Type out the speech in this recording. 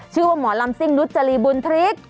ชื่อว่าหมอลำซิ่งนุจรีบุญพริก